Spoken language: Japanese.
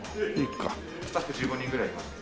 スタッフ１５人ぐらいいますけど。